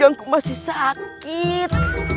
aku masih sakit